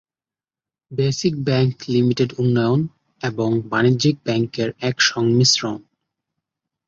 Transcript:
Basic bank limited উন্নয়ন এবং বাণিজ্যিক ব্যাংকের এক সংমিশ্রণ।